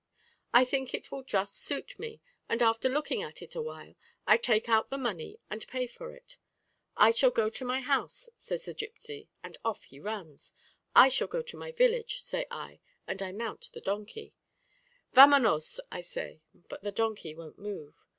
I think it will just suit me; and after looking at it awhile, I take out the money and pay for it. 'I shall go to my house,' says the gipsy; and off he runs. 'I shall go to my village,' say I, and I mount the donkey, 'Vamonos,' say I, but the donkey won't move.